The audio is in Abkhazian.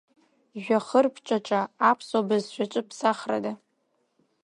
Жәҩахыр ԥҽаҽа Аԥсуа бызшәаҿы ԥсахрада…